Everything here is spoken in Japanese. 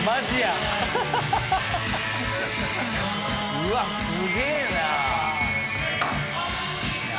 うわっすげぇな！